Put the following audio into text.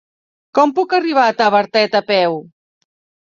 Com puc arribar a Tavertet a peu?